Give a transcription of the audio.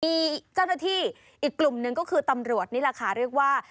มีเจ้าหน้าที่อีกกลุ่มหนึ่งก็คือตำรวจนี่แหละค่ะเรียกว่า